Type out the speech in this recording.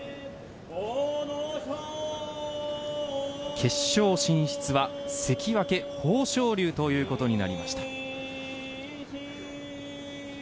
決勝進出は関脇・豊昇龍ということになりました。